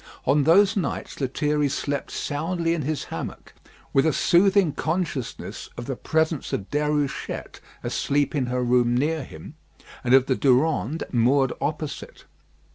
On those nights Lethierry slept soundly in his hammock, with a soothing consciousness of the presence of Déruchette asleep in her room near him, and of the Durande moored opposite.